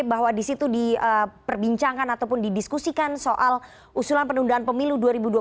bahwa di situ diperbincangkan ataupun didiskusikan soal usulan penundaan pemilu dua ribu dua puluh